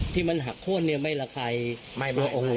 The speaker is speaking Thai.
ที่มันหักโค้นเนี่ยไม่ระคาย